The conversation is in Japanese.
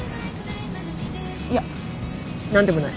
いや何でもない。